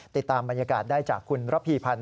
ติดตามบรรยากาศได้จากคุณระพีพันธ์